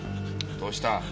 どうした？